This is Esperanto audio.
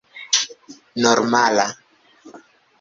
normala